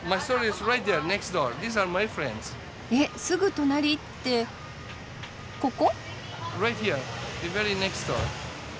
えっすぐ隣ってここ？